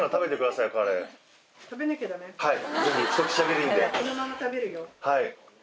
はい。